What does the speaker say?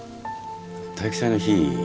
体育祭の日